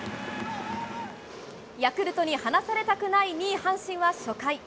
ヤクルトに離されたくない２位、阪神は初回。